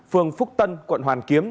phường phúc tân quận hoàn kiếm